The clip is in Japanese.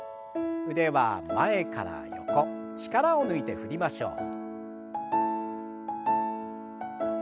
腕は前から横力を抜いて振りましょう。